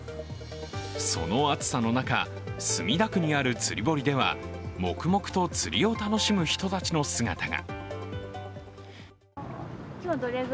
その暑さの中、墨田区にある釣堀では黙々と釣りを楽しむ人たちの姿が。